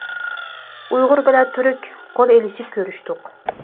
ئۇيغۇر بىلەن تۈرك، قول ئېلىشىپ كۆرۈشتۇق.